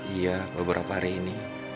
iya beberapa hari ini